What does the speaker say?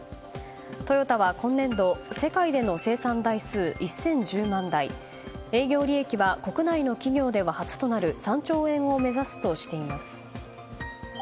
トヨタは今年度世界での生産台数１０１０万台営業利益は国内の企業では初となる３兆円を目指すとしています。